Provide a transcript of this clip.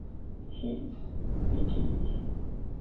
His elder brother is sports administrator Francesco Ricci Bitti.